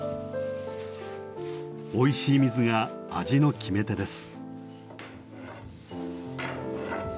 おいしい水が味の決め手です。